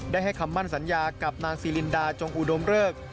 ได้ให้คำมั่นสัญญากับนางซีลินดาจงอุดมเริก